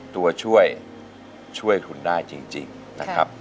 ตัวช่วยช่วยคุณได้จริงนะครับ